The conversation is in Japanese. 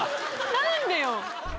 何でよ？